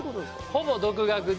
ほぼ独学で。